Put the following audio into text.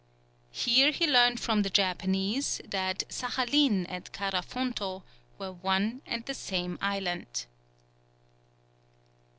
Here he learnt from the Japanese that Saghalien and Karafonto were one and the same island.